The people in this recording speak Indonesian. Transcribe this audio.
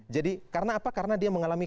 jadi karena apa karena dia mengalami